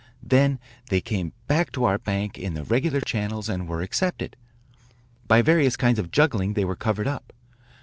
Then they came back to our bank in the regular channels and were accepted. By various kinds of juggling they were covered up.